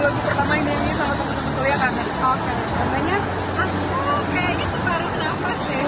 oh kayaknya sebaru penampas deh